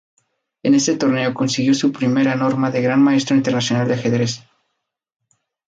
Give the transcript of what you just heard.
En este torneo consiguió su primera norma de Gran Maestro Internacional de ajedrez.